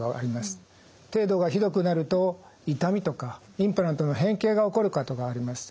程度がひどくなると痛みとかインプラントの変形が起こることがあります。